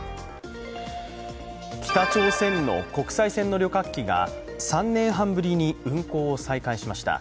北朝鮮の国際線の旅客機が３年半ぶりに運航を再開しました。